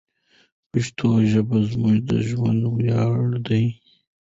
پښتو ژبه زموږ د ژوند ویاړ دی.